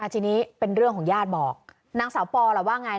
ทีนี้เป็นเรื่องของญาติบอกนางสาวปอล่ะว่าไง